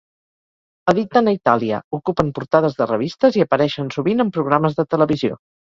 Editen a Itàlia, ocupen portades de revistes i apareixen sovint en programes de televisió.